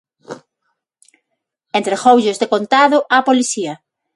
Entregoullos decontado á policía.